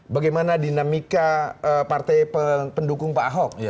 bagaimana dinamika partai pendukung pak ahok